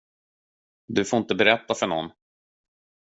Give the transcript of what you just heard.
Du får inte berätta för någon.